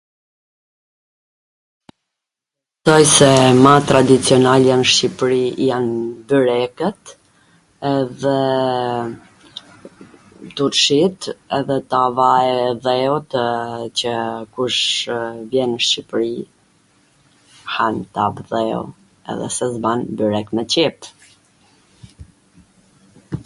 mendoj se ma tradicjonalja nw Shqipri jan byrekwt, edhe... turshit edhe tava e dheutw, qw kush vjen nw Shqipri han tav dheu edhe se s' ban byrek me qep